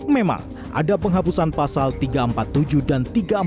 memang ada penghapusan pasal tiga ratus empat puluh tujuh dan tiga ratus empat puluh